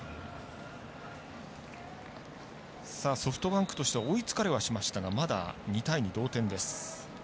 ソフトバンクとしては追いつかれはしましたがまだ２対２、同点です。